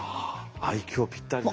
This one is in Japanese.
愛嬌ぴったりね。